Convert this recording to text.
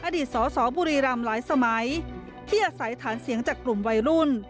อดีตสสบุรีรำหลายสมัยที่อาศัยฐานเสียงจากกลุ่มวัยรุ่น